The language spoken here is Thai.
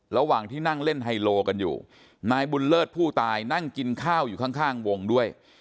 ระหว่างที่นั่งเล่นไฮโลกันอยู่นายบุญเลิศผู้ตายนั่งกินข้าวอยู่ข้างวงด้วย